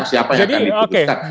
siapa yang akan diputuskan